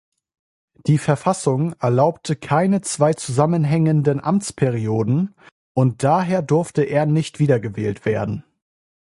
Die Verfassung erlaubte keine zwei zusammenhängenden Amtsperioden und daher durfte er nicht wiedergewählt werden.